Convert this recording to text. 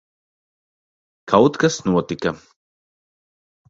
Kaut kas notika.